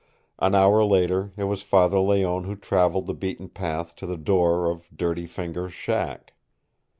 An hour later it was Father Layonne who traveled the beaten path to the door of Dirty Fingers' shack.